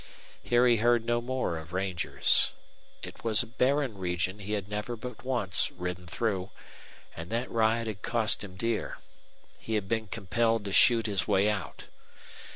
Here he heard no more of rangers. It was a barren region he had never but once ridden through, and that ride had cost him dear. He had been compelled to shoot his way out.